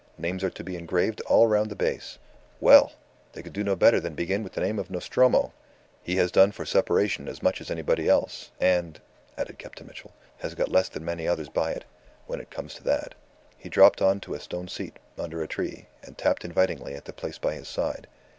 Names are to be engraved all round the base. Well! They could do no better than begin with the name of Nostromo. He has done for Separation as much as anybody else, and," added Captain Mitchell, "has got less than many others by it when it comes to that." He dropped on to a stone seat under a tree, and tapped invitingly at the place by his side.